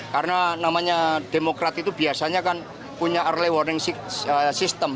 karena namanya demokrat itu biasanya kan punya early warning system